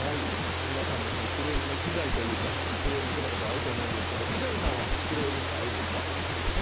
皆さんもクレームの被害というかクレーム受けたことあると思うんですが三上さんはクレームってあるんですか。